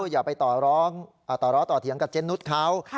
อย่าไปต่อร้อต่อเถียงกับเจนนุษย์เขา